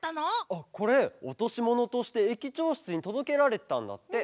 あっこれおとしものとして駅長しつにとどけられてたんだって。